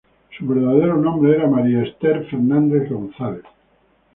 Su verdadero nombre era María Esther Fernández González.